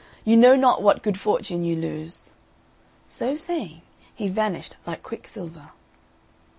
You know not what good fortune you lose." So saying, he vanished like quicksilver.